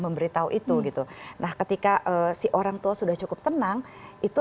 memberitahu itu gitu nah ketika si orang tua sudah cukup tenang itu